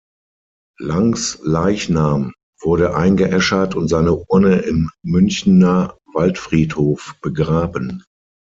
Langs Leichnam wurde eingeäschert und seine Urne im Münchener Waldfriedhof begraben.